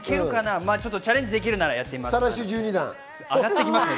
チャレンジできるなら、やってみます。